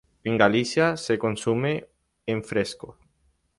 En Galicia se consume en fresco.